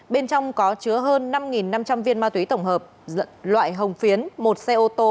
bên trong có chứa hơn năm năm trăm linh viên ma túy tổng hợp loại hồng phiến một xe ô tô